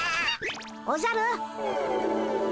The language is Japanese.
おじゃる。